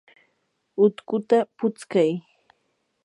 utkuta putskay.